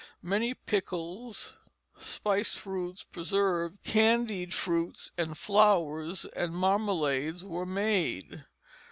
Many pickles, spiced fruits, preserves, candied fruits and flowers, and marmalades were made.